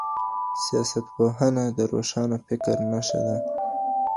سیاستپوهنه د روښانه فکر نښه ده.